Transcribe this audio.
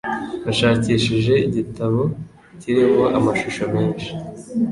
Nashakishije igitabo kirimo amashusho menshi.